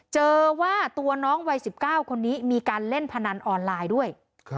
เจอว่าตัวน้องวัย๑๙คนนี้มีการเล่นพนันออนไลน์ด้วย